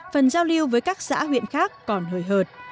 phần giao lưu với các xã huyện khác còn hời hợt